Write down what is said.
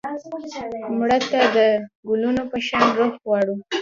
مړه ته د ګلونو په شان روح غواړو